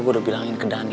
gue udah bilangin ke dani